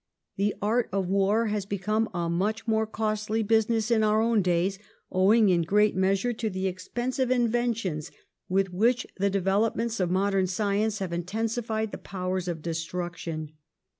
The art of war has become a much more costly business in our own days, owing in great measure to the expensive inventions with which the developments of modern science have intensified the powers of destruction.